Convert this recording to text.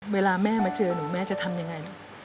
เวลาแม่มาเจอหนูแม่จะทำยังไงลูก